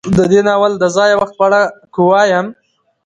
د دې ناول د ځاى او وخت په اړه که وايم